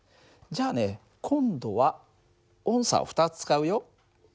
じゃあね今度はおんさを２つ使うよ。